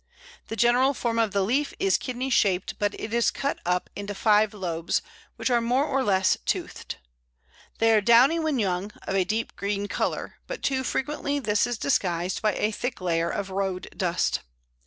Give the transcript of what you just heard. The general form of the leaf is kidney shaped, but it is cut up into five lobes, which are more or less toothed. They are downy when young, of a deep green colour, but too frequently this is disguised by a thick layer of road dust.